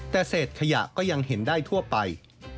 แต่เศษขยะก็ยังเห็นได้ทั่วไป